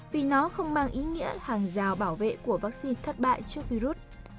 vì nó không mang ý nghĩa hàng rào bảo vệ của vaccine thất bại trước virus